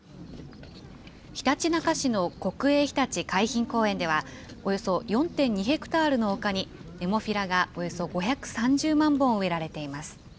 ひたちなか市の国営ひたち海浜公園ではおよそ４．２ヘクタールの丘に、ネモフィラがおよそ５３０万本植えられています。